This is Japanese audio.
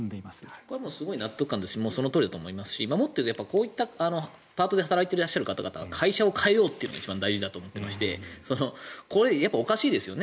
これすごい納得感だしそのとおりだと思いますしこうやってパートで働いている方々は会社を変えようというのが一番大事だと思っていておかしいですよね。